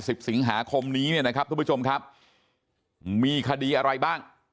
สิบสิงหาคมนี้เนี่ยนะครับทุกผู้ชมครับมีคดีอะไรบ้าง